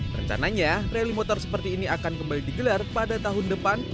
rencananya rally motor seperti ini akan kembali digelar pada tahun depan